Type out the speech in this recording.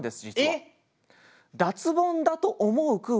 えっ！